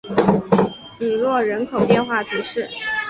吕诺人口变化图示